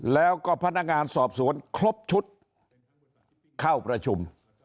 แล้วก็พนักงานสอบสวนครบชุดเข้าประชุม